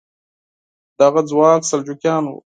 دغه ځواک سلجوقیان وو.